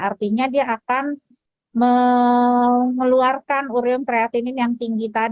artinya dia akan mengeluarkan ureum kreatinin yang tinggi tadi